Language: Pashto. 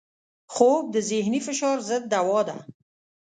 خوب د ذهني فشار ضد دوا ده